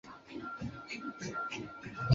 火箭可配备任何必要的延迟引信。